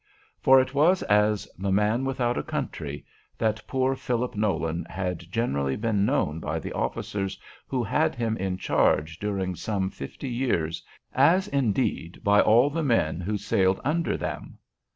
For it was as "The Man without a Country" that poor Philip Nolan had generally been known by the officers who had him in charge during some fifty years, as, indeed, by all the men who sailed under them.